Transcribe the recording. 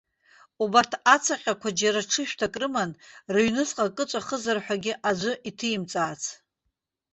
Убарҭ ацаҟьақәа џьара ҿышәҭак рыман, рыҩныҵҟа акы ҵәахызар ҳәагьы аӡәгьы иҭимҵаац.